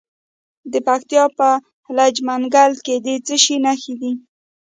د پکتیا په لجه منګل کې د څه شي نښې دي؟